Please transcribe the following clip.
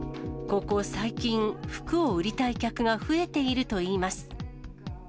ここ最近、服を売りたい客が増えているといいます。